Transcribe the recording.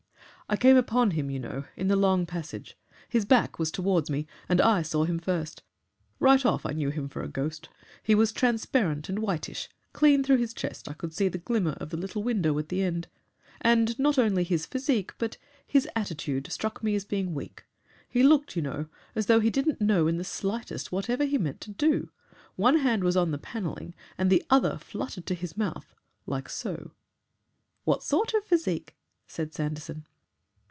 "I came upon him, you know, in the long passage. His back was towards me and I saw him first. Right off I knew him for a ghost. He was transparent and whitish; clean through his chest I could see the glimmer of the little window at the end. And not only his physique but his attitude struck me as being weak. He looked, you know, as though he didn't know in the slightest whatever he meant to do. One hand was on the panelling and the other fluttered to his mouth. Like SO!" "What sort of physique?" said Sanderson.